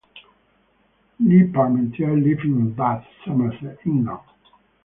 LeParmentier lived in Bath, Somerset, England.